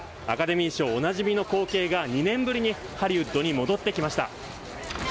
アカデミー賞おなじみの光景が２年ぶりにハリウッドに戻ってきました。